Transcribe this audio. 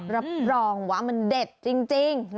รับรองว่ามันเด็ดจริง